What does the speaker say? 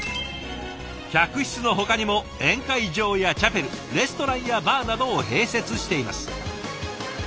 客室のほかにも宴会場やチャペルレストランやバーなどを併設しています。